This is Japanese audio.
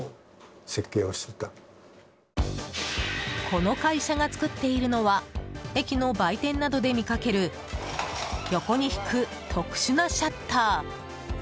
この会社が作っているのは駅の売店などで見かける横に引く、特殊なシャッター。